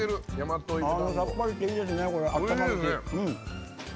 さっぱりしていいですねあったまるし。